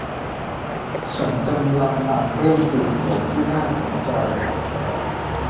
ฉันกำลังอ่านเรื่องสืบสวนที่น่าสนใจ